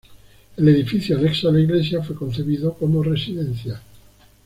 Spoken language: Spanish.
El edificio anexo a la iglesia fue concebido como residencia.